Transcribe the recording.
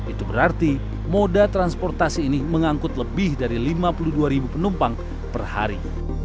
itu berarti moda transportasi ini mengangkut lebih dari lima puluh dua penumpang per hari